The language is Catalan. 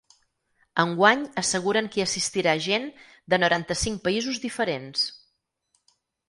Enguany asseguren que hi assistirà gent de noranta-cinc països diferents.